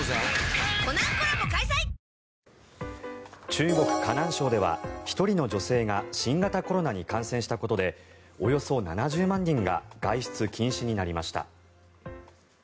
中国・河南省では１人の女性が新型コロナに感染したことでおよそ７０万人が外出禁止になりました。